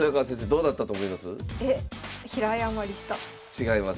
違います。